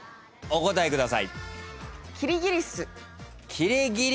お答えください。